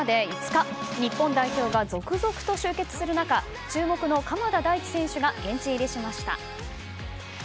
日本代表が続々と集結する中注目の鎌田大地選手が現地入りしました。